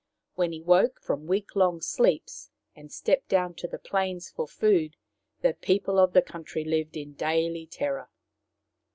When he woke from week long sleeps and stepped down to the plains for food the people of the country lived in daily terror.